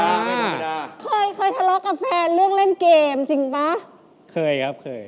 ไม่ธรรมดาเคยเคยทะเลาะกับแฟนเรื่องเล่นเกมจริงป่ะเคยครับเคย